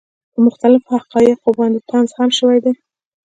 پۀ مختلفو حقائقو باندې طنز هم شوے دے،